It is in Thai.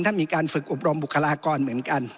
ถ้ามีการฝึกอบรมบุคลากรเหมือนกัน